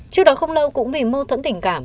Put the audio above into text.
trước đó không lâu cũng vì mâu thuẫn tình cảm